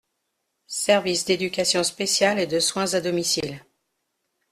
Service d’éducation spéciale et de soins à domicile.